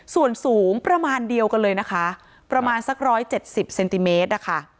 ส่วนสูงประมาณเดียวกันเลยนะคะประมาณสัก๑๗๐เซนติเมตรนะคะ